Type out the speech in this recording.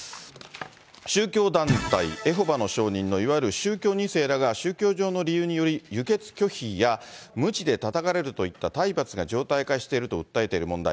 宗教団体エホバの証人のいわゆる宗教２世らが、宗教上の理由により、輸血拒否やむちでたたかれるといった体罰が常態化していると訴えている問題。